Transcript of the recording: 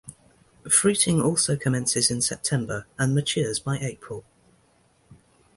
Fruiting also commences in September and matures by April.